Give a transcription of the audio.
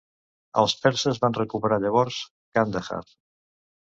Els perses van recuperar llavors Kandahar.